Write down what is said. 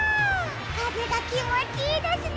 かぜがきもちいいですね。